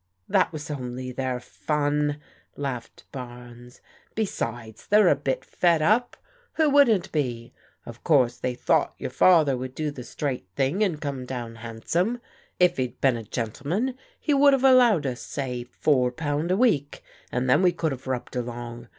"That was only their fun," laughed Barnes. "Be sides, they're a bit fed up. Who wouldn't be? Of course they thought your father would do the straight thing, and come down handsome. If he'd been a gentle man he would have allowed us, say, four pound a week, and then we could have rubbed along.